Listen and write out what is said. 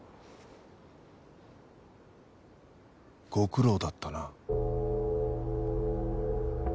ご苦労だったな。